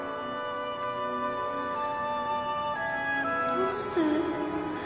どうして？